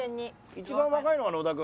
一番若いのが野田君？